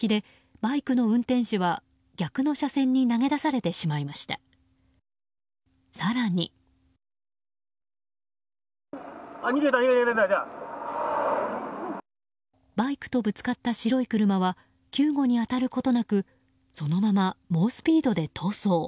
バイクとぶつかった白い車は救護に当たることなくそのまま、猛スピードで逃走。